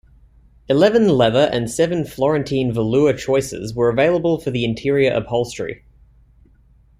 Eleven leather and seven Florentine velour choices were available for the interior upholstery.